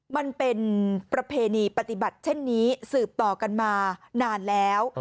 มันเป็นประเพณีปฏิบัติเช่นนี้สืบต่อกันมานานแล้ว